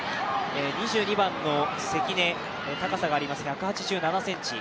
２２番の関根、高さがあります１８７ｃｍ。